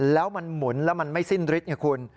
แล้วมันหมุนแล้วมันไม่สิ้นฤทธิไงคุณ